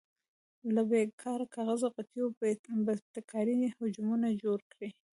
له بې کاره کاغذي قطیو ابتکاري حجمونه جوړ کړئ.